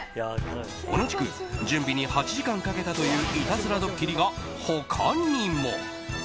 同じく準備に８時間かけたといういたずらドッキリが他にも。